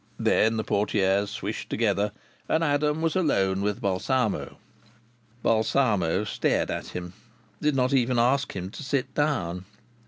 Then the portières swished together, and Adam was alone with Balsamo. Balsamo stared at him; did not even ask him to sit down.